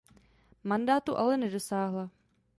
Mandátu ale nedosáhla.